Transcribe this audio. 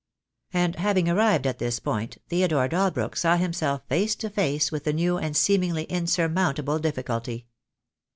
And having arrived at this point Theodore Dalbrook saw himself face to face with a new and seemingly in surmountable difficulty.